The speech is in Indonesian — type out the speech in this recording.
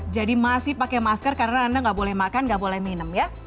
jadi masih pakai masker karena anda nggak boleh makan nggak boleh minum ya